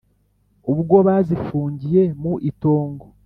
ubwo bazifungiye mu itongo